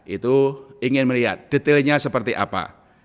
itu ingin melihat detailnya seperti apa